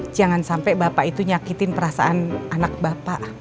jangan sampai bapak itu nyakitin perasaan anak bapak